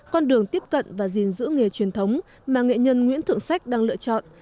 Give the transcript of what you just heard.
con đường tiếp cận và gìn giữ nghề truyền thống mà nghệ nhân nguyễn thượng sách đang lựa chọn